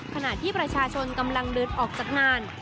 ขณะที่ประชาชนกำลังเดินออกจากงาน